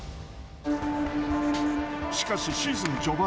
しかしシーズン序盤。